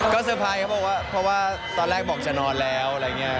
ก็สุดท้ายเค้าบอกว่าตอนแรกบอกจะนอนแล้วอะไรอย่างเงี้ย